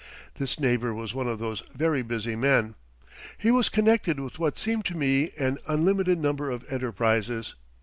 This neighbour was one of those very busy men. He was connected with what seemed to me an unlimited number of enterprises.